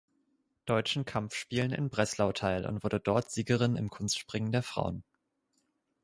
Deutschen Kampfspielen in Breslau teil und wurde dort Siegerin im Kunstspringen der Frauen.